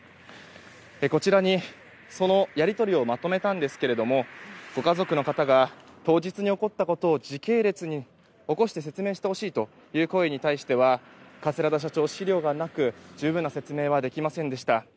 こちらに、そのやり取りをまとめたんですけれどもご家族の方が当日に行ったことを時系列に起こして説明してほしいという声に対しては桂田社長、資料がなく十分な説明はできませんでした。